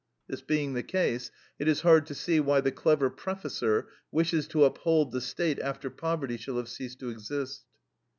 This being the case, it is hard to see why the clever prefacer wishes to uphold the State after poverty shall have ceased to exist.